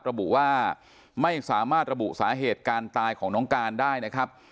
ระบุว่าไม่สามารถระบุสาเหตุการตายของน้องการได้นะครับ